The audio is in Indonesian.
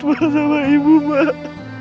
malah sama ibu mak